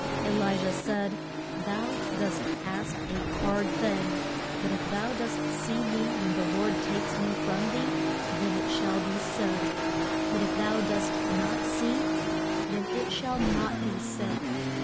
E li jah said, Thou dost ask a hard thing. But if thou dost see me when the Lord takes me from thee, then it shall be so. But if thou dost not see, then it shall not be so.